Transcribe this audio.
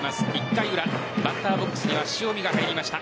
１回裏、バッターボックスには塩見が入りました。